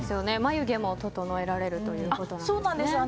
眉毛も整えられるということなんですね。